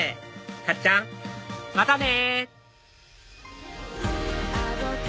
かっちゃんまたね！